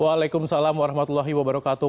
waalaikumsalam warahmatullahi wabarakatuh